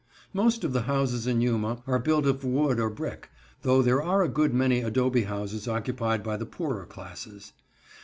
] Most of the houses in Yuma are built of wood or brick, though there are a good many adobe houses occupied by the poorer classes.